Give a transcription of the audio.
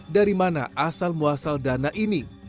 dari mana asal muasal dana ini